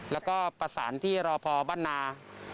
แล้วก็ประสานที่รอพอบ้านนา